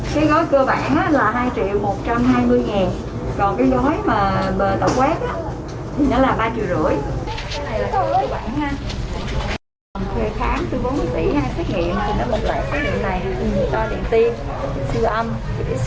cái gói cơ bản là hai triệu một trăm hai mươi ngàn còn cái gói bờ tẩu quát là ba triệu rưỡi